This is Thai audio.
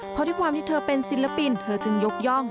เพราะด้วยความที่เธอเป็นศิลปินเธอจึงยกย่อง